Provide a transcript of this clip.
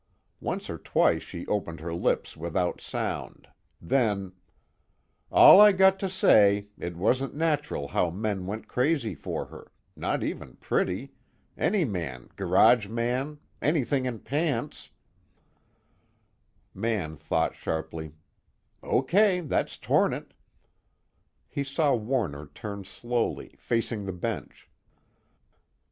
Once or twice she opened her lips without sound; then: "All I got to say, it wasn't natural how men went crazy for her not even pretty any man, garage man, anything in pants " Mann thought sharply: Okay, that's torn it. He saw Warner turn slowly, facing the bench.